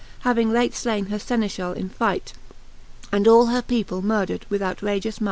Having late flaine her Senefchall in fight, /And all her people murdred with outragious might.